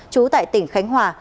chú tại tỉnh khánh hòa